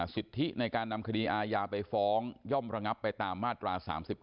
สิทธิในการนำคดีอาญาไปฟ้องย่อมระงับไปตามมาตรา๓๙